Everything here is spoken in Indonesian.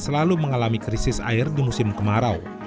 selalu mengalami krisis air di musim kemarau